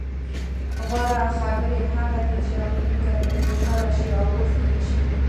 غوره خبرې هغه دي، چې اوریدونکي پرې خوشحاله شي او بوج پرې نه شي.